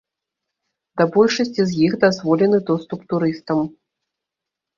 Да большасці з іх дазволены доступ турыстам.